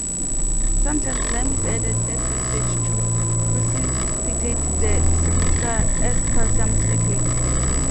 Sometimes lime is added at this stage to precipitate the silica as calcium silicate.